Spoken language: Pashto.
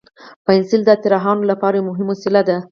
پنسل د طراحانو لپاره یو مهم وسیله ده.